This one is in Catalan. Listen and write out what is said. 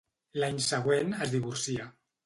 L'any següent, es divorcia.